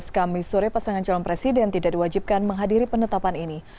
kami sore pasangan calon presiden tidak diwajibkan menghadiri penetapan ini